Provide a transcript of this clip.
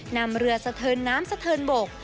นำเรือสะเทินน้ำสะเทินบก